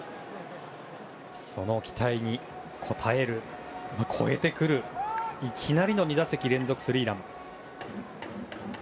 その期待に応える、超えてくるいきなりの２打席連続スリーラン。